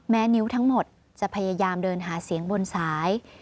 นิ้วทั้งหมดจะพยายามเดินหาเสียงบนสาย